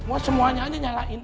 wah semuanya aja nyalain